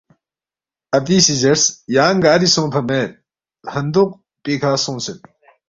اپی سی زیرس، ینگ گاری سونگفا مید، ہندوق پیکھہ سونگسید